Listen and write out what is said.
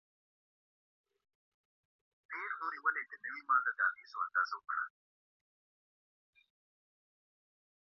پېیر کوري ولې د نوې ماده د اغېزو اندازه وکړه؟